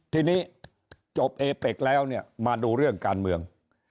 ทีนี้จบเอเป็กแล้วเนี่ยมาดูเรื่องการเมือง